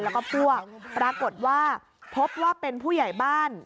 แล้วก็พวกปรากฏว่าพบว่าเป็นผู้ใหญ่บ้าน